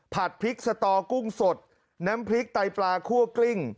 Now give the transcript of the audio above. พริกสตอกุ้งสดน้ำพริกไตปลาคั่วกลิ้ง